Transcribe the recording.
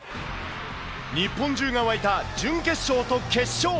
日本中が沸いた準決勝と決勝。